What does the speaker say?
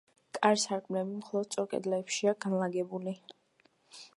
კარ-სარკმლები მხოლოდ სწორ კედელშია განლაგებული.